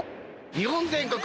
日本全国